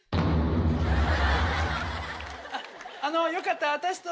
「あっあのよかったら私と」。